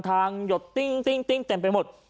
ทางหยดติ๊งเต็มไปหมด